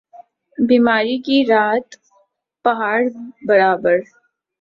بیمار کی رات پہاڑ برابر